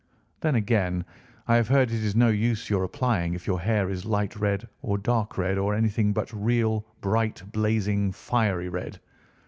Then, again, I have heard it is no use your applying if your hair is light red, or dark red, or anything but real bright, blazing, fiery red.